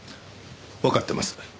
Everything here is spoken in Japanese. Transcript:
わかってます。